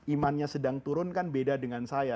imannya sedang turun kan beda dengan saya